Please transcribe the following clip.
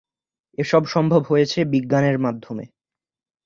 এসব সম্ভব হয়েছে বিজ্ঞানের মাধ্যমে।